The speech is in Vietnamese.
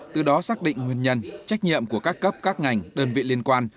từ đó xác định nguyên nhân trách nhiệm của các cấp các ngành đơn vị liên quan